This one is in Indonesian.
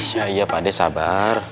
iya pak de sabar